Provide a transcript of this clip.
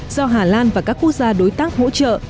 do hà lan và các quốc gia đối tác hỗ trợ